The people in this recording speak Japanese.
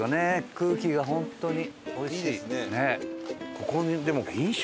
空気が本当においしい。